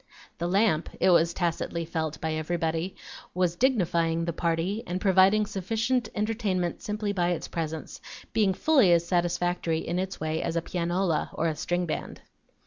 The lamp, it was tacitly felt by everybody, was dignifying the party, and providing sufficient entertainment simply by its presence; being fully as satisfactory in its way as a pianola or a string band.